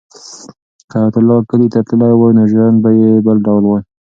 که حیات الله کلي ته تللی وای نو ژوند به یې بل ډول و.